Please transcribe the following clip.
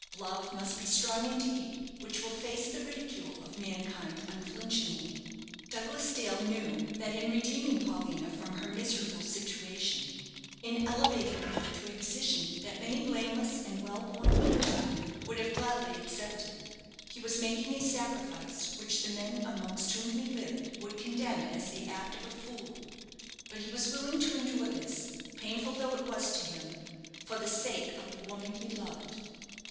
Love must be strong indeed which will face the ridicule of mankind unflinchingly. Douglas Dale knew that, in redeeming Paulina from her miserable situation, in elevating her to a position that many blameless and well born Englishwomen would have gladly accepted, he was making a sacrifice which the men amongst whom he lived would condemn as the act of a fool. But he was willing to endure this, painful though it was to him, for the sake of the woman he loved.